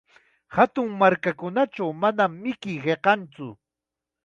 Hatun markakunachaw manam mikuy hiqantsu.